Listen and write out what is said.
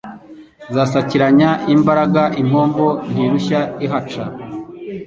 Zasakiranya imbaraga Impombo ntirushye ihaca